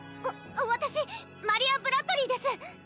私マリア＝ブラッドリィです